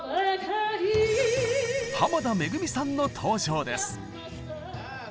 濱田めぐみさんの登場です。